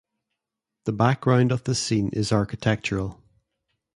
The background of the scene is architectural.